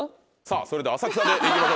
それでは浅草で行きましょうか。